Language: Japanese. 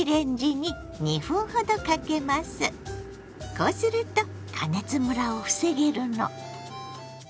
こうすると加熱むらを防げるの。